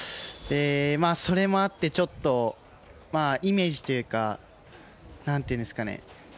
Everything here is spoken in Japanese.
それもあって、ちょっとイメージというか何て言うんですかね